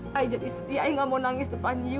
saya jadi sedih saya tidak mau nangis depan kamu